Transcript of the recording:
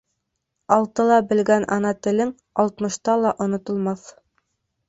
Алтыла белгән ана телең алтмышта ла онотолмаҫ.